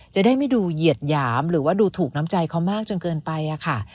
จะได้ไม่ดูเหยียดหยามหรือว่าดูถูกน้ำใจเขามากจนเกินไปค่ะ